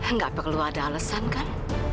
nggak perlu ada alasan kan